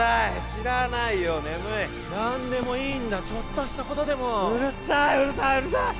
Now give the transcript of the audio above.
知らないよ眠い何でもいいんだちょっとしたことでもうるさいうるさいうるさい！